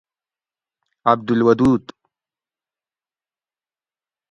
عبدالودود